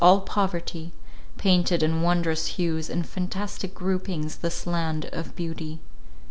all poverty, painted in wondrous hues and fantastic groupings this land of beauty.